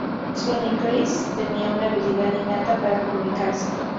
Sonny Criss tenía una habilidad innata para comunicarse.